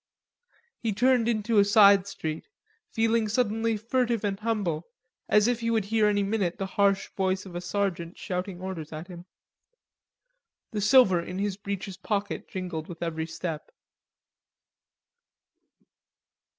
He turned into a side street, feeling suddenly furtive and humble, as if he would hear any minute the harsh voice of a sergeant shouting orders at him. The silver in his breeches pocket jingled with every step.